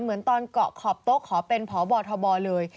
เหมือนตอนเกาะขอบโต๊ะขอเป็นพบทบเลย